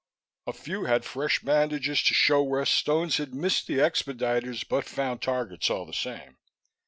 A few had fresh bandages to show where stones had missed the expediters, but found targets all the same.